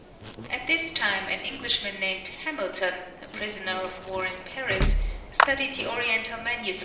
At this time an Englishman named Hamilton, a prisoner of war in Paris, studied the Oriental MSS.